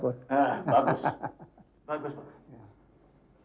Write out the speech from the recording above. bagus bagus pak